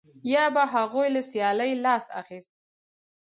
یا به هغوی له سیالۍ لاس اخیست